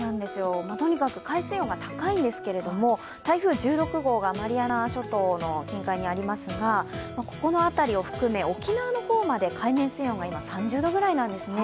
とにかく海水温が高いんですけれども、台風１６号がマリアナ諸島の近海にありますがここの辺りを含め、沖縄の方まで今海面温度が３０度くらいなんですね。